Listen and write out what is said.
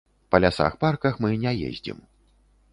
Па лясах-парках мы не ездзім.